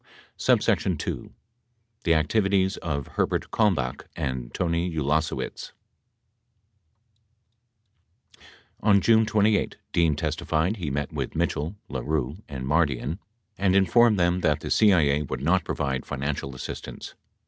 59 2. THE ACTIVITIES OF HERBERT KALMBACH AND TONY ULASEWICZ On June 28, Dean testified he met with Mitchell, LaRue and Mardian and informed them that the CIA would not provide financial assist ance.